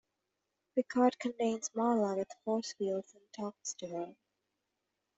Picard contains "Marla" with force fields and talks to her.